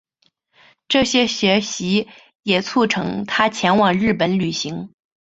这些学习也促成他前往日本旅行。